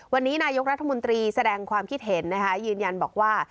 วันนี้นายกรัฐมนตรีแสดงความคิดเห็นนะคะยืนยันบอกว่า